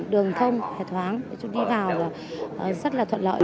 đường thông hệ thoáng đi vào rất là thuận lợi